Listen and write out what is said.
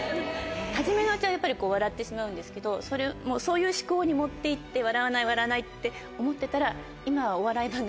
初めのうちはやっぱり笑ってしまうんですけどそういう思考に持って行って笑わない笑わないって思ってたら今は。